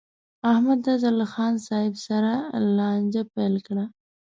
احمد دا ځل له خان صاحب سره لانجه پیل کړه.